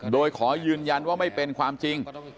โดยขอยืนยันว่าไม่เป็นความจริง